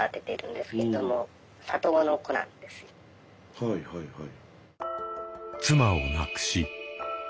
はいはいはい。